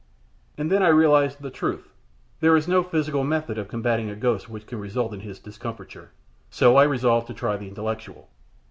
And then I realized the truth. There is no physical method of combating a ghost which can result in his discomfiture, so I resolved to try the intellectual.